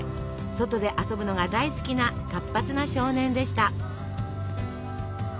外で遊ぶのが大好きな活発な少年でした。